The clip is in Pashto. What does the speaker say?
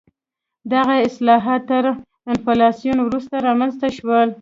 دغه اصلاحات تر انفلاسیون وروسته رامنځته شول.